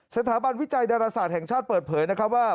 สถาบันวิจัยดาราศาสตร์แห่งชาติเปิดเผยนะครับว่า